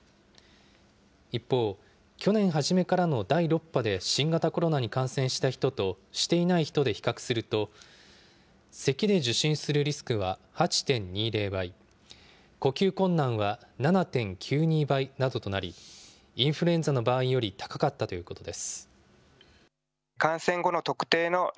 一方、去年初めからの第６波で新型コロナに感染した人としていない人で比較すると、せきで受診するリスクは８．２０倍、呼吸困難は７．９２倍などとなり、インフルエンザの場合より高かったということです。